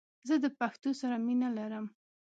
زه د پښتو سره مینه لرم🇦🇫❤️